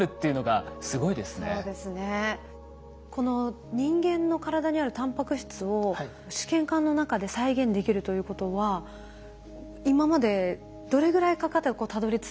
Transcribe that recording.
この人間の体にあるタンパク質を試験管の中で再現できるということは今までどれぐらいかかってたどりついたところなんでしょうか？